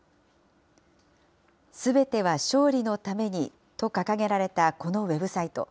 すべては勝利のためにと掲げられたこのウェブサイト。